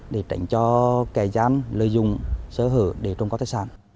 để tránh cho kẻ gian lợi dụng sở hữu để trồng cấp tài sản